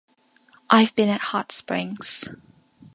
I've been at Hot Springs.